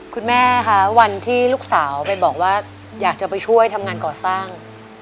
คุณแม่คะวันที่ลูกสาวไปบอกว่าอยากจะไปช่วยทำงานก่อสร้าง